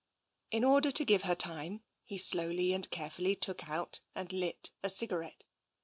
In order to give her time, he slowly and carefully took out and lit a cigarette.